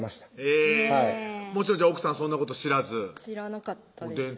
えぇもちろん奥さんそんなこと知らず知らなかったです